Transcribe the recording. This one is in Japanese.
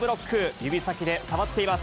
指先で触っています。